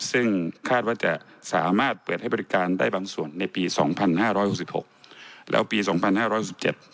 ซึ่งคาดว่าจะสามารถเปิดให้บริการได้บางส่วนในปีสองพันห้าร้อยหกสิบหกแล้วปีสองพันห้าร้อยหกสิบเจ็ด